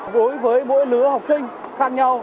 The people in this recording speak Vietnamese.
đối với mỗi lứa học sinh khác nhau